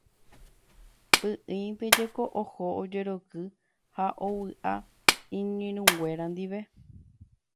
Py'ỹinte jeko oho ojeroky ha ovy'a iñirũnguéra ndive.